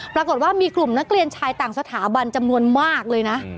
ปรากฏว่ามีกลุ่มนักเรียนชายต่างสถาบันจำนวนมากเลยนะ